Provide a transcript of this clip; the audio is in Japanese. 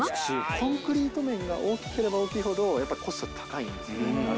コンクリート面が大きければ大きいほど、やっぱりコスト高いんですよね。